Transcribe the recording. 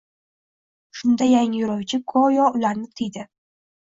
Shunda yangi yo’lovchi go’yo ularni tiydi.